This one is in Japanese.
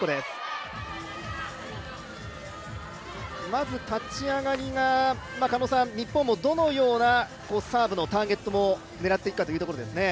まず立ち上がりが日本もどのようなサーブのターゲットを狙っていくかということですね。